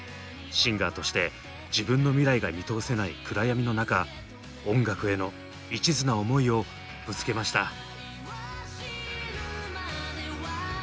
シンガーとして自分の未来が見通せない暗闇の中音楽への一途な思いをぶつけました。